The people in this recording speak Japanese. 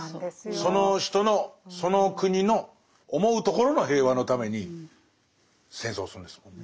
その人のその国の思うところの平和のために戦争するんですもんね。